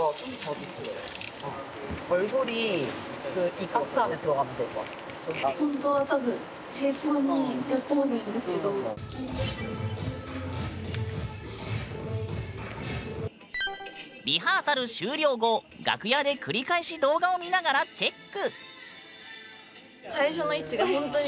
今回の「紅白」でリハーサル終了後楽屋で繰り返し動画を見ながらチェック！